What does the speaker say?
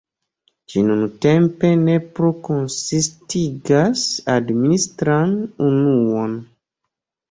Ĝi nuntempe ne plu konsistigas administran unuon.